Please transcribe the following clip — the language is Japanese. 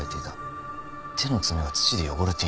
手の爪は土で汚れていた。